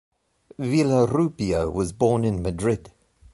Villarrubia was born in Madrid.